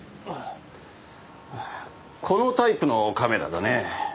このタイプのカメラだね。